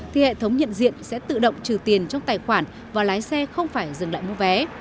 thì hệ thống nhận diện sẽ tự động trừ tiền trong tài khoản và lái xe không phải dừng lại mua vé